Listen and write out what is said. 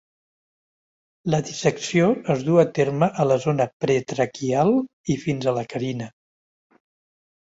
La dissecció es duu a terme a la zona pretraquial i fins a la carina.